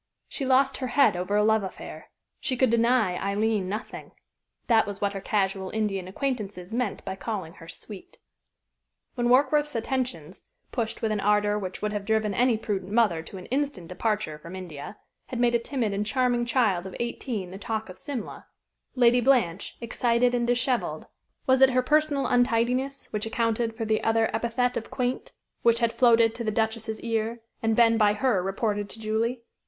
She lost her head over a love affair. She could deny Aileen nothing. That was what her casual Indian acquaintances meant by calling her "sweet." When Warkworth's attentions, pushed with an ardor which would have driven any prudent mother to an instant departure from India, had made a timid and charming child of eighteen the talk of Simla, Lady Blanche, excited and dishevelled was it her personal untidiness which accounted for the other epithet of "quaint," which had floated to the Duchess's ear, and been by her reported to Julie?